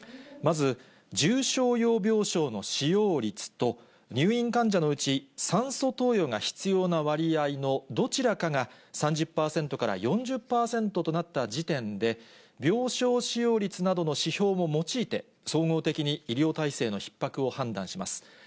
まず、重症用病床の使用率と、入院患者のうち、酸素投与が必要な割合のどちらかが３０％から４０％となった時点で、病床使用率などの指標も用いて、総合的に医療体制のひっ迫を判断します。